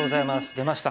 出ました